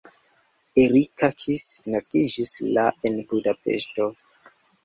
Erika Kiss naskiĝis la en Budapeŝto.